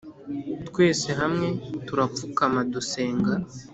twese hamwe turapfukama dusenga